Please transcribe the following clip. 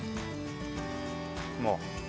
もう。